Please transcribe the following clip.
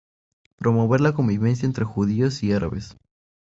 Promover la convivencia entre judíos y árabes.